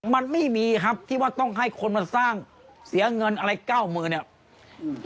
มันไม่มีครับที่ว่าต้องให้คนมาสร้างเสียเงินอะไรเก้ามือเนี่ยอืม